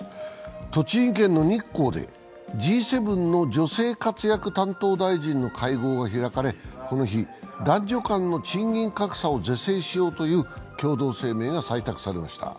栃木県の日光でＧ７の女性活躍担当大臣の会合が開かれこの日、男女間の賃金格差を是正しようという共同声明が採択されました。